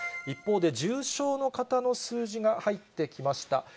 一方で、重症の方の数字が入ってきました。